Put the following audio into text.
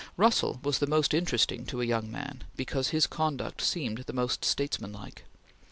Russell was the most interesting to a young man because his conduct seemed most statesmanlike.